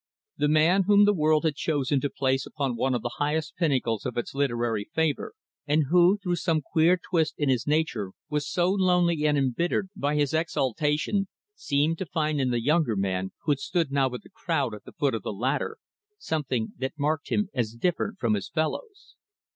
The man whom the world had chosen to place upon one of the highest pinnacles of its literary favor, and who through some queer twist in his nature was so lonely and embittered by his exaltation, seemed to find in the younger man who stood with the crowd at the foot of the ladder, something that marked him as different from his fellows.